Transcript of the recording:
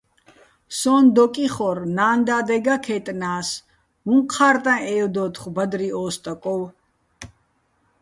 სოჼ დოკ იხორ, ნა́ნ-და́დეგა́ ქაიტნა́ს: "უ̂ჼ ჴა́რტაჼ ე́ვდოთხო̆ ბადრი ო სტაკოვ!"